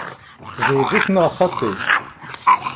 Tzewǧeḍ neɣ xaṭi?